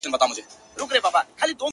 شپې د ځوانۍ لکه شېبې د وصل وځلېدې-